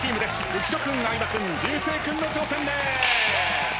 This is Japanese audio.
浮所君相葉君流星君の挑戦です。